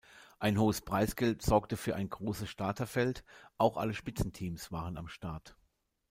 Ein hohes Preisgeld sorgte für ein großes Starterfeld, auch alle Spitzenteams waren am Start.